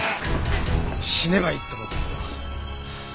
死ねばいいって思ったけど。